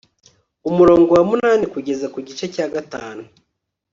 umurongo wa munani kugeza ku gice cya gatanu